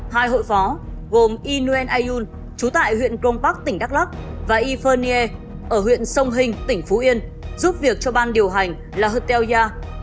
hai hội phó gồm y nguyen ayun trú tại huyện công park tỉnh đắk lắk và y phơ nghê ở huyện sông hình tỉnh phú yên giúp việc cho ban điều hành là hotel ya